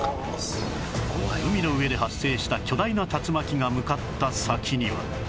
海の上で発生した巨大な竜巻が向かった先には